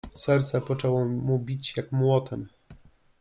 Serce poczęło mu bić jak młotem.